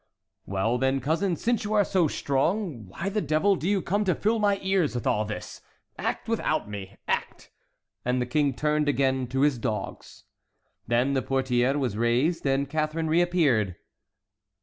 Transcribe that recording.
"Well, then, cousin, since you are so strong, why the devil do you come to fill my ears with all this? Act without me—act"— And the King turned again to his dogs. Then the portière was raised, and Catharine reappeared.